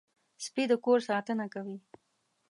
سپي د کور ساتنه کوي.